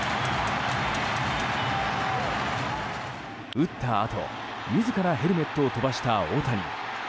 打ったあと自らヘルメットを飛ばした大谷。